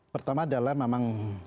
pertama adalah memang